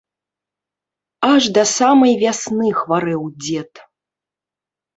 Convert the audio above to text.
Аж да самай вясны хварэў дзед.